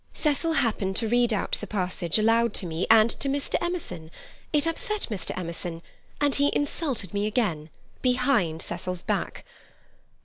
"Cecil happened to read out the passage aloud to me and to Mr. Emerson; it upset Mr. Emerson and he insulted me again. Behind Cecil's back.